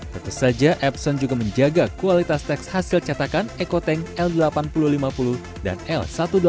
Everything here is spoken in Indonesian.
tetap saja epson juga menjaga kualitas teks hasil catakan ecotank l delapan ribu lima puluh dan l delapan belas ribu lima puluh